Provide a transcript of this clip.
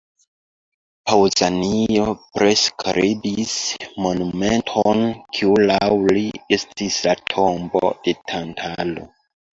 Paŭzanio priskribis monumenton kiu, laŭ li, estis la tombo de Tantalo.